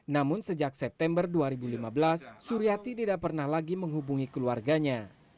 namun sejak september dua ribu lima belas suryati tidak pernah lagi menghubungi keluarganya